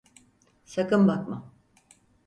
Sakın bakma!